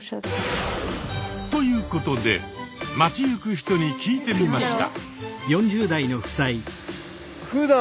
ということで街行く人に聞いてみました！